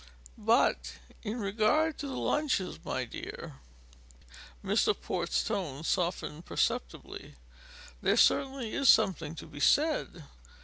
"But in regard to the lunches, my dear" Mr. Port's tone softened perceptibly "there certainly is something to be said.